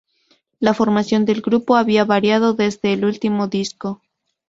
La formación del grupo había variado desde el último disco.